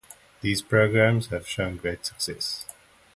These programs have shown great success.